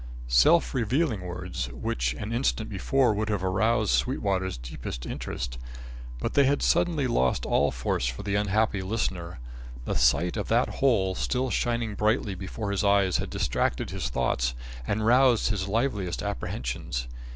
Self revealing words, which an instant before would have aroused Sweetwater's deepest interest! But they had suddenly lost all force for the unhappy listener. The sight of that hole still shining brightly before his eyes had distracted his thoughts and roused his liveliest apprehensions.